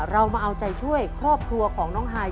เรามาเอาใจช่วยครอบครัวของน้องฮาย